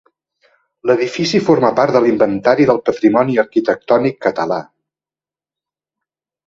L'edifici forma part de l'Inventari del Patrimoni Arquitectònic Català.